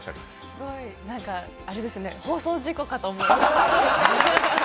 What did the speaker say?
すごい放送事故かと思いました。